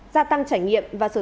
gia tăng trải nghiệm và sức khỏe